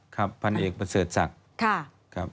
พันธุ์เอกประเศษศักดิ์